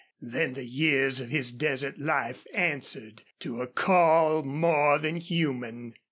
Then the years of his desert life answered to a call more than human.